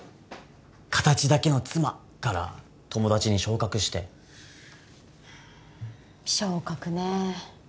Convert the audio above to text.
形だけの妻から友達に昇格して昇格ね